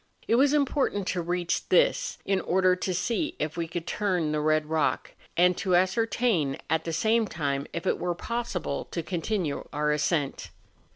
It was important to reach this in order to see if we could turn the red rock, and to ascertain at the same time if it were possible to continue our ascent.